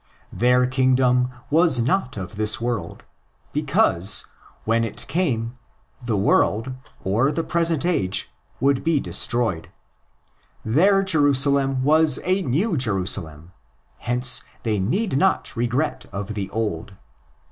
Their kingdom was not of this world; because, when it came, the world—or the present age—would be destroyed. Their Jerusalem was a New Jerusalem ; hence they need not regret the old.